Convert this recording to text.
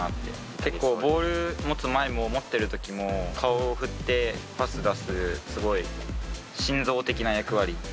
結構、ボール持つ前も、持ってるときも、顔を振ってパス出す、すごい心臓的な役割。